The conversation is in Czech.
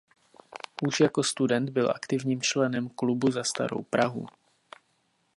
Už jako student byl aktivním členem Klubu Za starou Prahu.